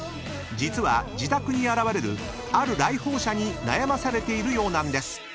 ［実は自宅に現れるある来訪者に悩まされているようなんです］